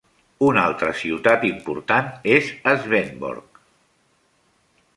Una altra ciutat important és Svendborg.